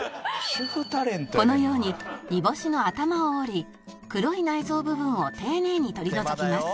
このように煮干しの頭を折り黒い内臓部分を丁寧に取り除きます